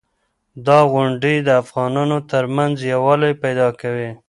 دا غونډې د افغانانو ترمنځ یووالی پیدا کوي.